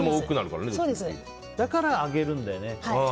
だからあげるんだよね。